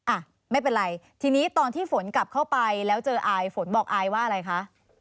อ่ะไม่เป็นไรทีนี้ตอนที่ฝนกลับเข้าไปแล้วเจออายฝนบอกอายว่าอะไรคะ